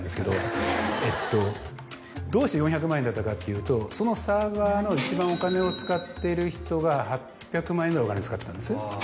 どうして４００万円だったかっていうとそのサーバーの一番お金を使ってる人が８００万円ぐらいお金使ってたんです。